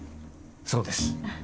そうです。